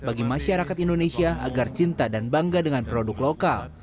bagi masyarakat indonesia agar cinta dan bangga dengan produk lokal